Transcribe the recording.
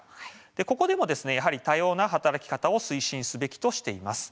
ここでも多様な働き方を推進すべきとしています。